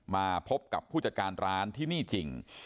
มาพบกับผู้จัดการร้านที่นี่จริง